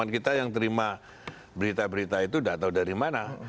kita yang terima berita berita itu tidak tahu dari mana